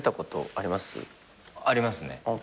あります。